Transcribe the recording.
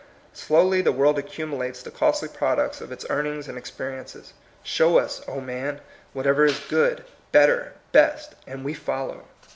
Slowly the world accumulates the costly products of its earn ings and experiences. Show us, O man! whatever i^ good, better, best, — and we follow.